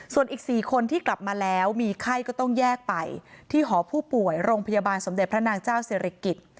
ส่วนอีก๔คนที่กลับมาแล้วมีไข้ก็ต้องแยกไปที่หอผู้ป่วยโรงพยาบาลสมเด็จพระนางเจ้าศิริกิจ